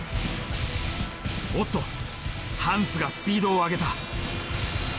おっとハンスがスピードを上げた。